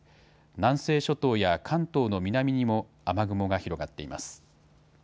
南西諸島や関東の南にも雨雲が広がっています。